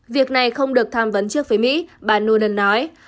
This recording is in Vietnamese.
việc này không được tham vấn trước với mỹ bà nullen nói